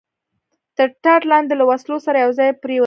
تر ټاټ لاندې له وسلو سره یو ځای پرېوتم.